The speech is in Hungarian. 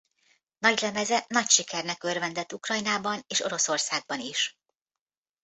Nagylemeze nagy sikernek örvendett Ukrajnában és Oroszországban is.